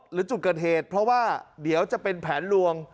หรือจุดเกิดเหตุเพราะว่าเดี๋ยวจะเป็นแผนลวง